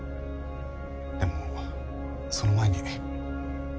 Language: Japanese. でもその前に。